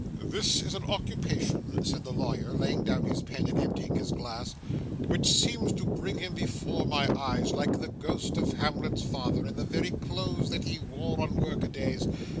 'This is an occupation,' said the lawyer, laying down his pen and emptying his glass, 'which seems to bring him before my eyes like the Ghost of Hamlet's father, in the very clothes that he wore on work a days.